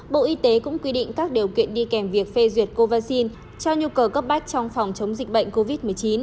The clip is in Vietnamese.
bộ y tế cũng quy định các điều kiện đi kèm việc phê duyệt covaxin cho nhu cầu cấp bách trong phòng chống dịch bệnh covid một mươi chín